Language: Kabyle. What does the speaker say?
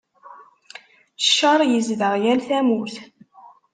Cceṛ yezdeɣ yal tamurt.